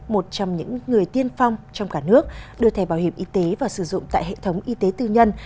một trong những người tiên phong trong cả nước đưa thẻ bảo hiểm y tế và sử dụng tại hệ thống y tế tư nhân